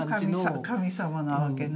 神様なわけね。